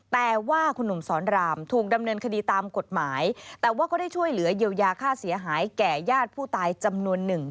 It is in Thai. แต่ว่าคุณหนุ่มสอนรามถูกดำเนินคดีตามกฎหมายแต่ว่าก็ได้ช่วยเหลือเยียวยาค่าเสียหายแก่ญาติผู้ตายจำนวนหนึ่ง